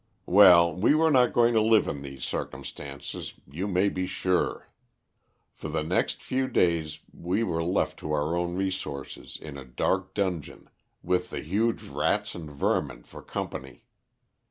"Well, we were not going to live in these circumstances, you may be sure. For the next few days we were left to our own resources in a dark dungeon with the huge rats and vermin for company.